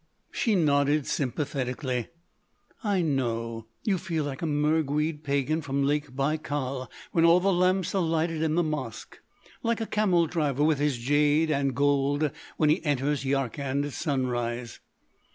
She nodded sympathetically: "I know. You feel like a Mergued Pagan from Lake Baïkal when all the lamps are lighted in the Mosque;—like a camel driver with his jade and gold when he enters Yarkand at sunrise."